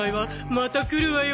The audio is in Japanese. また来るわよ！